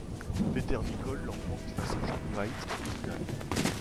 Peter Nicol l'emporte face à John White en finale.